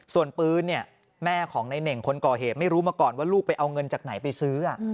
ส่วนปืนเนี่ยแม่ของในเน่งคนก่อเหตุไม่รู้มาก่อนว่าลูกไปเอาเงินจากไหนไปซื้อ